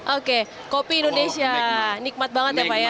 oke kopi indonesia nikmat banget ya pak ya